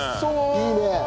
いいね。